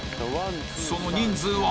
その人数は？